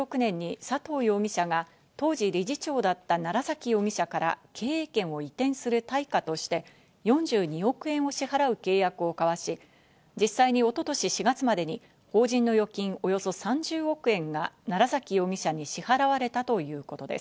２人は２０１６年に佐藤容疑者が当時、理事長だった楢崎容疑者から経営権を移転する対価として、４２億円を支払う契約を交わし、実際に一昨年４月までに法人の預金およそ３０億円が楢崎容疑者に支払われたということです。